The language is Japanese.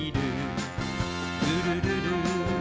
「ルルルル」